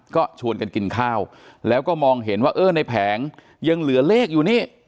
ก็ชวนกันกินข้าวแล้วก็มองเห็นว่าเออในแผงยังเหลือเลขอยู่นี่